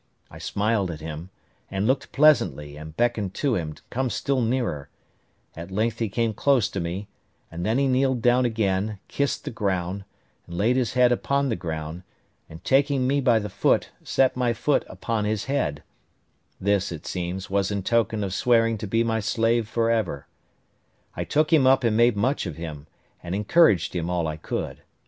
I smiled at him, and looked pleasantly, and beckoned to him to come still nearer; at length he came close to me; and then he kneeled down again, kissed the ground, and laid his head upon the ground, and taking me by the foot, set my foot upon his head; this, it seems, was in token of swearing to be my slave for ever. I took him up and made much of him, and encouraged him all I could.